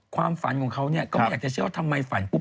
ความฝันของเขาก็ไม่อยากจะเชื่อว่าทำไมฝันปุ๊